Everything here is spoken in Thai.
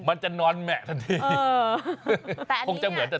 มันจะนอนแหมะทันที